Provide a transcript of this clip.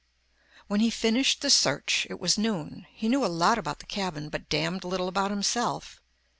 When he finished the search, it was noon. He knew a lot about the cabin, but damned little about himself.